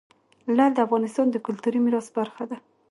لعل د افغانستان د کلتوري میراث برخه ده.